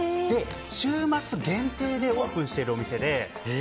週末限定でオープンしているお店で。